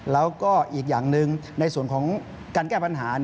แล้วก็อีกอย่างหนึ่งในส่วนของการแก้ปัญหา